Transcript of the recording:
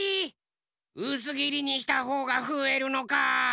うすぎりにしたほうがふえるのか。